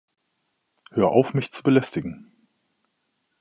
Hör auf, mich zu belästigen!